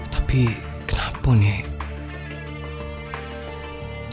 tapi kenapa nih